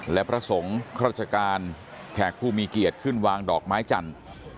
และพระสงฆ์ข้าราชการแขกผู้มีเกียรติขึ้นวางดอกไม้จันทร์